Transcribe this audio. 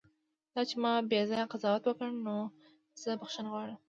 دا چې ما بیځایه قضاوت وکړ، نو زه بښنه غواړم.